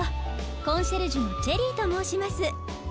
コンシェルジュのチェリーともうします。